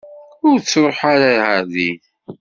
Ur ttruḥ ara ɣer din.